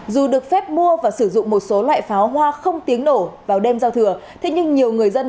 dù được phép mua và sử dụng một số loại pháo hoa không tiếng nổ vào đêm giao thừa